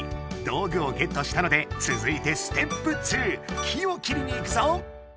道具をゲットしたのでつづいてステップ２木を切りに行くぞ！